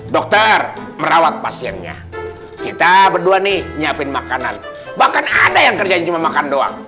dokter merawat pasiennya kita berdua nih nyiapin makanan bahkan ada yang kerjanya cuma makan doang